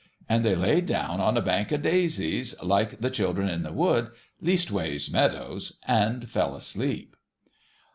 And they laid down on a bank of daisies, like the children in the wood, leastways meadows, and fell asleep.